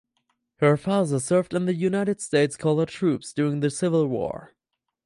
Her father served in the United States Colored Troops during the Civil War.